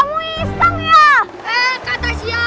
kita lagi banyak kenyang